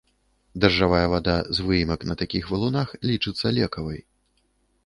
Дажджавая вада з выемак на такіх валунах лічыцца лекавай.